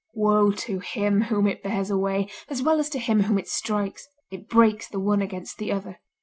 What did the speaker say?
Woe to him whom it bears away as well as to him whom it strikes! It breaks the one against the other.